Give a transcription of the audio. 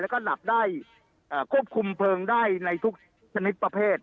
แล้วก็หลับได้ควบคุมเพลิงได้ในทุกชนิดประเภท